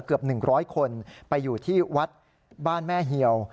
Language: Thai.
เกือบหนึ่งร้อยคนไปอยู่ที่วัดบ้านแม่เหี่ยว